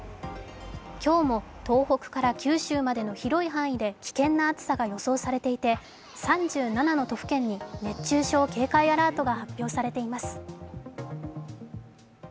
今日も東北から九州までの広い範囲で危険な暑さが予想されていて３７の都府県に熱中症警戒アラートが発表されています。